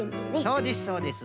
そうですそうです。